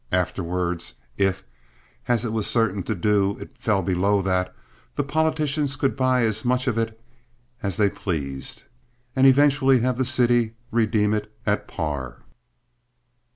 Afterward, if, as it was certain to do, it fell below that, the politicians could buy as much of it as they pleased, and eventually have the city redeem it at par.